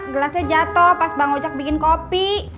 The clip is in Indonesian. gelasnya jatoh pas bang ojak bikin kopi